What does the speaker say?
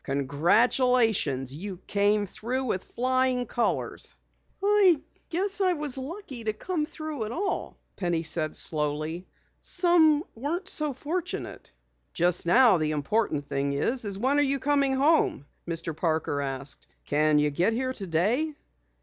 "Congratulations! You came through with flying colors!" "Guess I was lucky to come through at all," Penny said slowly. "Some weren't so fortunate." "Just now the important thing is when are you coming home?" Mr. Parker asked. "Can you get here today?"